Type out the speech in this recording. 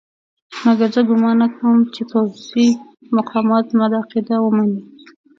مګر زه ګومان نه کوم چې پوځي مقامات زما دا عقیده ومني.